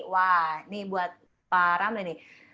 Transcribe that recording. wah ini buat pak ramli nih